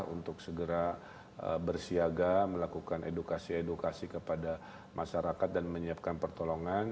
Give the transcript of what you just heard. untuk segera bersiaga melakukan edukasi edukasi kepada masyarakat dan menyiapkan pertolongan